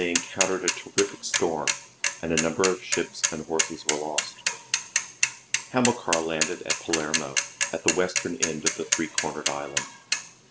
105 encountered a terrific storm and a number of ships and horses were lost. Hamilcar landed at Palermo, at the western end of the three cornered island.